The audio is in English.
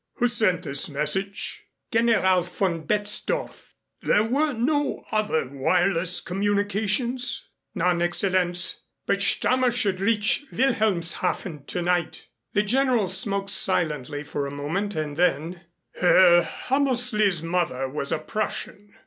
Who sent this message?" "General von Betzdorf." "There were no other wireless communications?" "None, Excellenz. But Stammer should reach Wilhelmshaven tonight." The General smoked silently for a moment, and then: "Herr Hammersley's mother was a Prussian?"